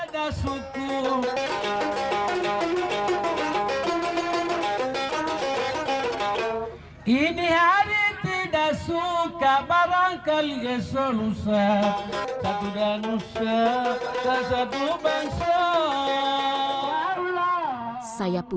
jangan lupa tonton pada suku